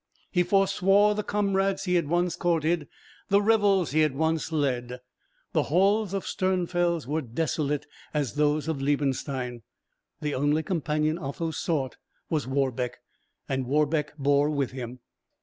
He forswore the comrades he had once courted, the revels he had once led. The halls of Sternfels were desolate as those of Liebenstein. The only companion Otho sought was Warbeck, and Warbeck bore with him.